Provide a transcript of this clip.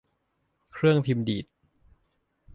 เครื่องพิมพ์ดีด